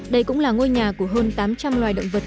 đây cũng là ngôi nhà của hơn tám trăm linh loài động vật